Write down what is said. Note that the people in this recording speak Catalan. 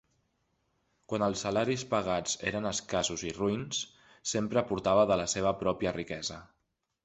Quan els salaris pagats eren escassos i roïns, sempre aportava de la seva pròpia riquesa.